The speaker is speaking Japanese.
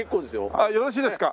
あっよろしいですか！